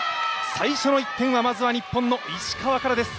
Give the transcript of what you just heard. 最初の１点はまずは日本の石川です